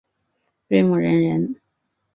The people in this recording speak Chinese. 端木仁人。